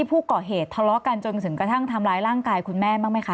ผู้ก่อเหตุทะเลาะกันจนถึงกระทั่งทำร้ายร่างกายคุณแม่บ้างไหมคะ